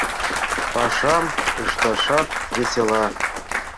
Пашам ышташат весела!